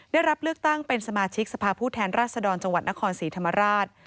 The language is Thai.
ได้รับเลือกตั้งเป็นสมาชิกสภาพผู้แทนราชดรจังหวัดนครศรีธรรมราช